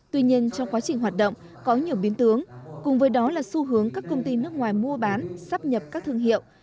tuy nhiên trong quá trình hoạt động có nhiều biến tướng cùng với đó là xu hướng các công ty nước ngoài mua bán sắp nhập các thương hiệu